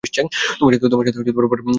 তোমার সাথে পরে দেখা হবে, মিস চ্যাং।